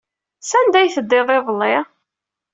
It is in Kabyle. Sanda ay teddiḍ iḍelli?